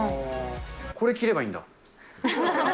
これ、着ればいいんだ。